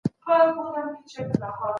چېري د ارزانه کورونو پروژې پلي کیږي؟